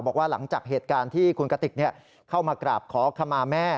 บอกว่าหลังจากเหตุการณ์ที่คุณกติกเข้ามากราบขอขมาแม่